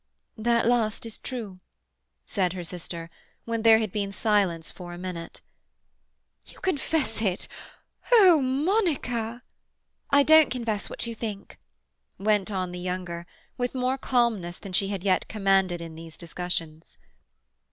"That last is true," said her sister, when there had been silence for a minute. "You confess it? O Monica—" "I don't confess what you think," went on the younger, with more calmness than she had yet commanded in these discussions.